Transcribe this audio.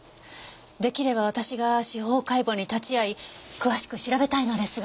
出来れば私が司法解剖に立ち会い詳しく調べたいのですが。